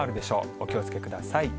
お気をつけください。